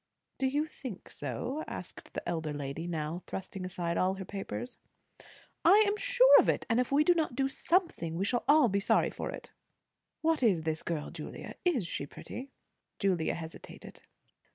"Do you think so?" asked the elder lady, now thrusting aside all her papers. "I am sure of it. And if we do not do something we shall all be sorry for it." "What is this girl, Julia? Is she pretty?" Julia hesitated.